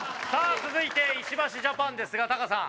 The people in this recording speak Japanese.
続いて石橋ジャパンですがタカさん。